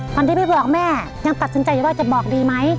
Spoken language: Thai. ตอนที่พี่บอกแม่ยังตัดสินใจว่าจะบอกดีไหม